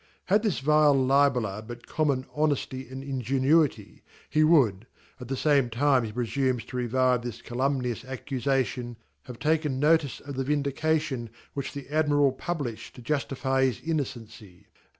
Hadth/svite Libeller but common hone fly and ingenuity', he would { at the fame time heprefumesto revive this calumnious Accufation ) have taken notice of the vindication which the Admiral publijhed to jufiife his innocency.